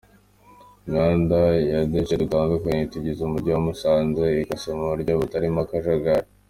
Imihanda yo duce dutandukanye tugize Umujyi wa Musanze ikase mu buryo butarimo akajagari.